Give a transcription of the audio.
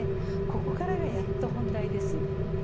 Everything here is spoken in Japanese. ここからがやっと本題です。